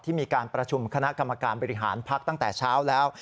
มีการประชุมคณะกรรมการบริหารพักตั้งแต่เช้าแล้ว